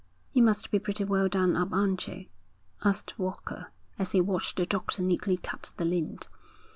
'You must be pretty well done up, aren't you?' asked Walker, as he watched the doctor neatly cut the lint.